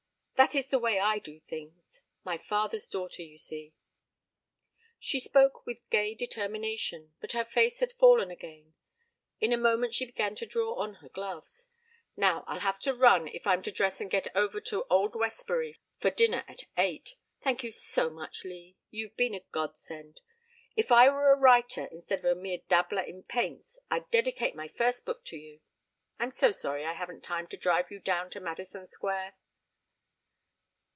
That is the way I do things my father's daughter, you see." She spoke with gay determination, but her face had fallen again. In a moment she began to draw on her gloves. "Now I'll have to run if I'm to dress and get over to Old Westbury for dinner at eight. Thank you so much, Lee; you've been a godsend. If I were a writer instead of a mere dabbler in paints I'd dedicate my first book to you. I'm so sorry I haven't time to drive you down to Madison Square."